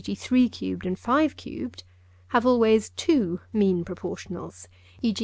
g. 3 cubed and 5 cubed) have always two mean proportionals (e.g.